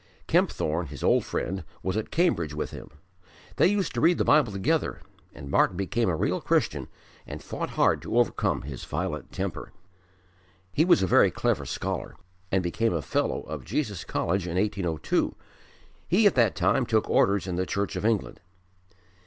Kempthorne, his old friend, was at Cambridge with him. They used to read the Bible together and Martyn became a real Christian and fought hard to overcome his violent temper. He was a very clever scholar and became a Fellow of Jesus College in 1802. He at that time took orders in the Church of England.